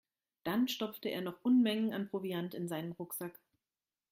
Dann stopfte er noch Unmengen an Proviant in seinen Rucksack.